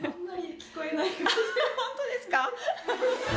本当ですか！